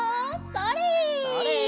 それ！